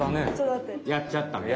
やっちゃったね。